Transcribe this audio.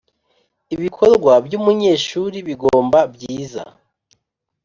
ibikorwa by’umunyeshuri bigomba byiza